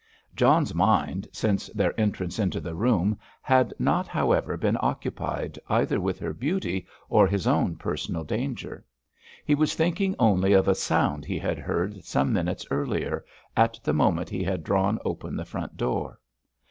John's mind, since their entrance into the room, had not, however, been occupied either with her beauty or his own personal danger. He was thinking only of a sound he had heard some minutes earlier, at the moment he had drawn open the front door.